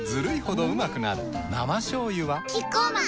生しょうゆはキッコーマン